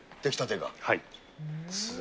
はい。